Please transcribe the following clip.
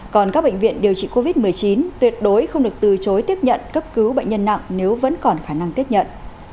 còn các bệnh viện điều trị covid một mươi chín tuyệt đối không được từ chối tiếp nhận cấp cứu bệnh nhân nặng nếu vẫn còn khả năng tiếp nhận